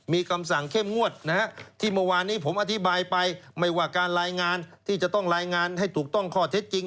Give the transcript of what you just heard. มีคำสั่งเข้มงวดนะฮะที่เมื่อวานนี้ผมอธิบายไปไม่ว่าการรายงานที่จะต้องรายงานให้ถูกต้องข้อเท็จจริง